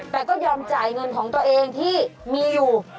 แต่ก็ยอมจ่ายเงินของตัวเองที่มีอยู่